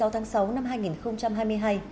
một mươi sáu tháng sáu năm hai nghìn hai mươi hai